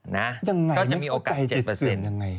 ยังไงมันก็ไกลจิตเสื่อมยังไง